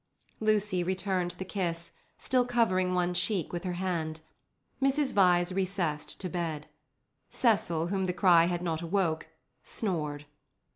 Lucy returned the kiss, still covering one cheek with her hand. Mrs. Vyse recessed to bed. Cecil, whom the cry had not awoke, snored.